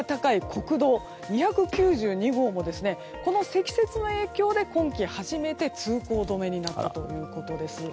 国道２９２号もこの積雪の影響で今季初めて通行止めになったということです。